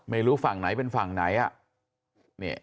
ไม่รู้ฝั่งไหนเป็นฝั่งไหนอ่ะ